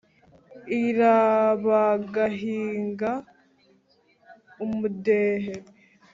irabahinga ubudehe,